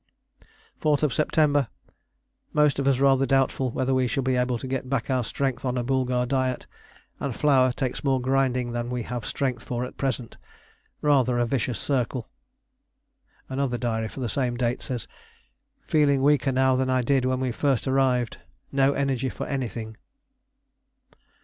"4th Sept. Most of us rather doubtful whether we shall be able to get back our strength on a boulgar diet, and flour takes more grinding than we have strength for at present rather a vicious circle." Another diary for the same date says "Feeling weaker now than I did when we first arrived; no energy for anything."